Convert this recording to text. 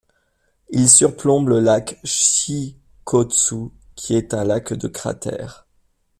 Il surplombe le lac Shikotsu qui est un lac de cratère.